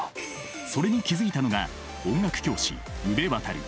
それに気付いたのが音楽教師宇部渉。